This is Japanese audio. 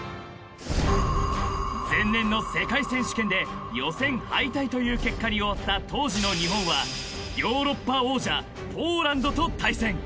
［前年の世界選手権で予選敗退という結果に終わった当時の日本はヨーロッパ王者ポーランドと対戦］